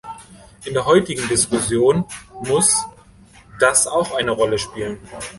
In der heutigen Diskussion muss das auch eine Rolle spielen.